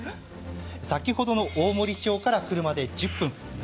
先ほどの大森町から車で１０分。